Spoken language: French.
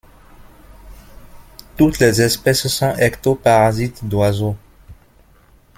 Toutes les espèces sont ectoparasites d'oiseaux.